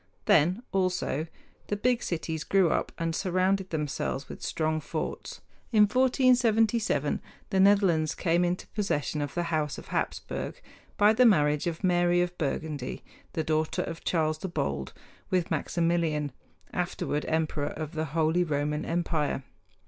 Then, also, the big cities grew up and surrounded themselves with strong forts. In 1477 the Netherlands came into possession of the House of Hapsburg by the marriage of Mary of Burgundy, the daughter of Charles the Bold, with Maximilian, afterward emperor of the Holy Roman Empire.